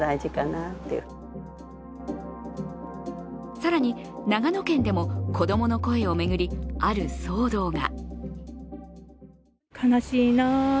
更に長野県でも子供の声を巡りある騒動が。